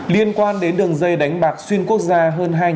liên quan đến đường dây đánh bạc xuyên quốc gia hơn hai một trăm linh tỷ đồng